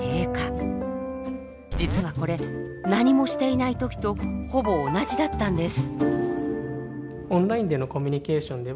実はこれ何もしていない時とほぼ同じだったんです。